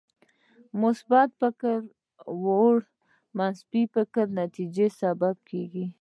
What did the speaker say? مثبت کړه وړه د مثبتې نتیجې سبب ګرځي.